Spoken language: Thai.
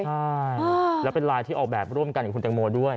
ใช่แล้วเป็นไลน์ที่ออกแบบร่วมกันกับคุณแตงโมด้วย